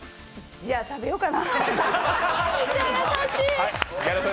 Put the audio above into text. じゃあ、食べようかな。